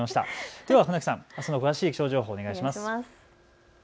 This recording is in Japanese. では船木さん、あすの詳しい気象情報お願いします。